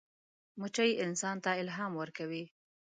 مچمچۍ انسان ته الهام ورکوي